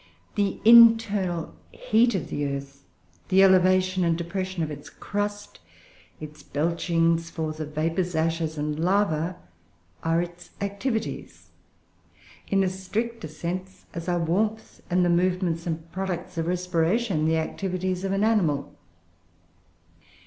The internal heat of the earth, the elevation and depression of its crust, its belchings forth of vapours, ashes, and lava, are its activities, in as strict a sense as are warmth and the movements and products of respiration the activities of an animal.